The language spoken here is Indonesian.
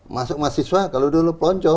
masuk mahasiswa kalau dulu pelonco